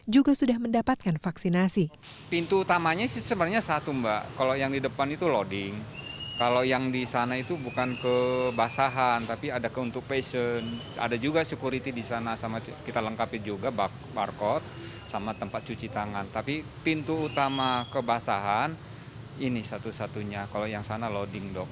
juga sudah mendapatkan vaksinasi